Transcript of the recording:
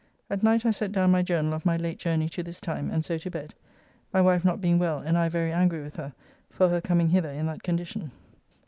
At night I set down my journal of my late journey to this time, and so to bed. My wife not being well and I very angry with her for her coming hither in that condition.